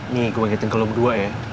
nih gue ngeliatin ke lo berdua ya